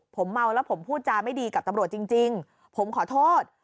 ผมเมาแล้วผมพูดจาไม่ดีกับตำรวจจริงผมขอโทษ